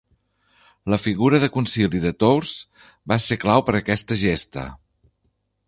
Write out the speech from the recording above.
La figura de Concili de Tours va ser clau per aquesta gesta.